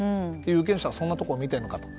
有権者はそんなところを見ているのかと。